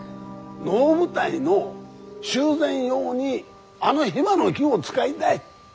能舞台の修繕用にあのヒバの木を使いだい。